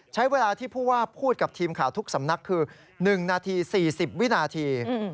ใช้เวลาที่ผู้ว่าพูดกับทีมข่าวทุกสำนักคือ๑นาที๔๐วินาที